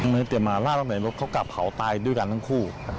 ไม่ได้เตรียมมาล่ารอบใหม่รถเขากลับเผาตายด้วยกันทั้งคู่